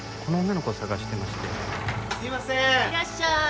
いらっしゃい！